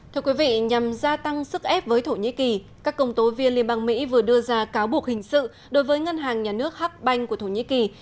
thưa quý vị nhằm gia tăng sức ép với thổ nhĩ kỳ các công tố viên liên bang mỹ vừa đưa ra cáo buộc hình sự đối với ngân hàng nhà nước hắc banh của thổ nhĩ kỳ